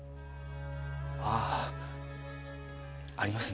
あぁありますね。